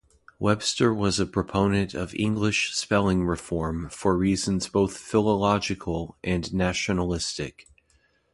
Webster was a proponent of English spelling reform for reasons both philological and nationalistic.